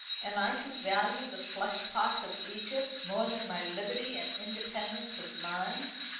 "Am I to value the flesh pots of Egypt more than my liberty and independence of mind?"